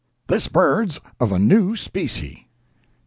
This bird's of a new specie.'